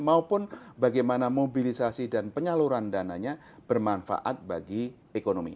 maupun bagaimana mobilisasi dan penyaluran dananya bermanfaat bagi ekonomi